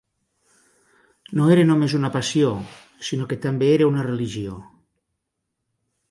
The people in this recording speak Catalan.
No era només una passió, sinó que també era una religió.